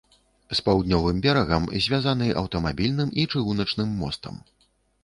З паўднёвым берагам звязаны аўтамабільным і чыгуначным мостам.